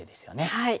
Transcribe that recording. はい。